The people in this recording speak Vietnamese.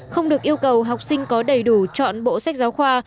không được yêu cầu học sinh có đầy đủ chọn bộ sách giáo khoa